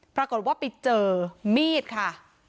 ปรากฏว่าไปเจอมีดค่ะ